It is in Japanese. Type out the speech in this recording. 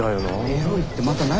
エロいってまた何？